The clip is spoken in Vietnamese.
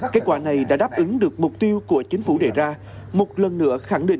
kết quả này đã đáp ứng được mục tiêu của chính phủ đề ra một lần nữa khẳng định